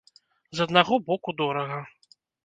З аднаго боку дорага.